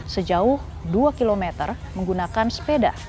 sejauh dua km menggunakan sepeda